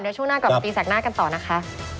เดี๋ยวช่วงหน้ากลับมาตีแสกหน้ากันต่อนะคะ